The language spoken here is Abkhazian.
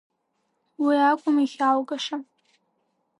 Уи акәым ихьааугаша.